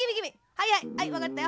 はいはいはいわかったよ。